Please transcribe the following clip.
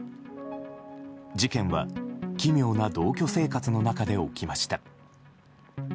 事件は、奇妙な同居生活の中で起きました。